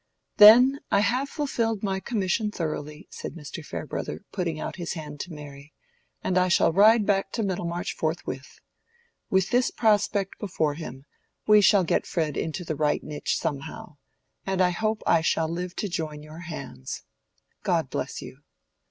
"Then I have fulfilled my commission thoroughly," said Mr. Farebrother, putting out his hand to Mary, "and I shall ride back to Middlemarch forthwith. With this prospect before him, we shall get Fred into the right niche somehow, and I hope I shall live to join your hands. God bless you!"